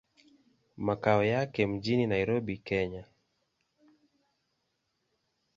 Makao yake mjini Nairobi, Kenya.